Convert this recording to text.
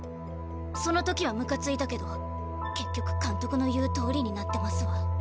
その時はムカついたけど結局監督の言うとおりになってますわ。